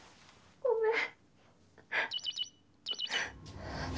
ごめん。